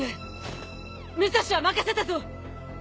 武蔵は任せたぞ！